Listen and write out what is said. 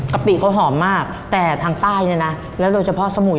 ปิเขาหอมมากแต่ทางใต้เนี่ยนะแล้วโดยเฉพาะสมุย